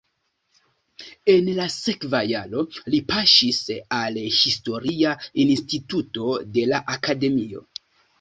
En la sekva jaro li paŝis al historia instituto de la akademio.